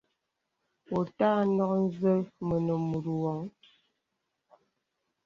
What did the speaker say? Wɔ ùtà nɔk nzə mənə mùt wɔŋ.